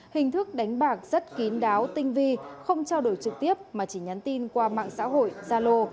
hình thức đánh bạc rất kín đáo tinh vi không trao đổi trực tiếp mà chỉ nhắn tin qua mạng xã hội gia lô